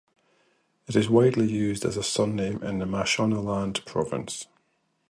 It is widely used as a surname in the Mashonaland province.